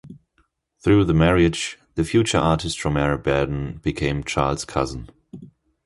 Through the marriage, the future artist Romare Bearden became Charles' cousin.